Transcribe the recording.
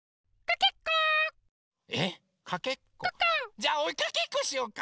じゃあおいかけっこしようか！